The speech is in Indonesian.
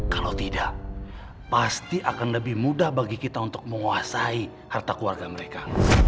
kalau tidak pasti akan lebih mudah bagi kita untuk menguasai harta keluarga mereka